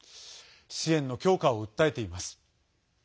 支援の強化を訴えています。